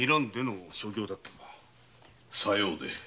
さようで。